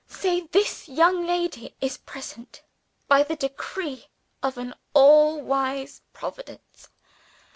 Say this young lady is present, by the decree of an all wise Providence.